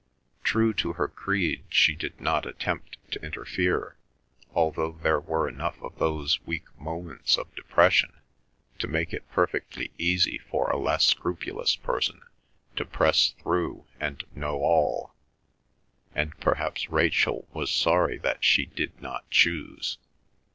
True to her creed, she did not attempt to interfere, although there were enough of those weak moments of depression to make it perfectly easy for a less scrupulous person to press through and know all, and perhaps Rachel was sorry that she did not choose.